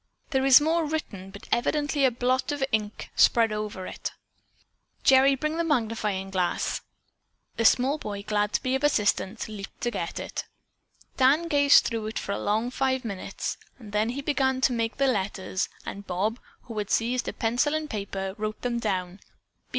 "There is more written, but evidently a drop of ink spread over it. Gerry, bring the magnifying glass." The small boy, glad to be of assistance, leaped to get it. Dan gazed through it for a long five minutes. Then he began to name the letters, and Bob, who had seized a pencil and paper, wrote them down.